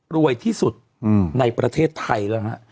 รวยที่สุดในประเทศไทย